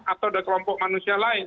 atau ada kelompok manusia lain